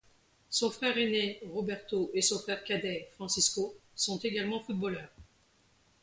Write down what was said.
Son frère aîné, Roberto, et son frère cadet, Francisco sont également footballeurs.